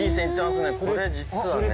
それ実はね。